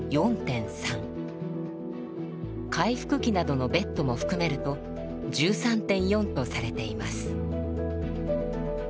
回復期などのベッドも含めると１３．４とされています。